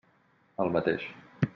El mateix.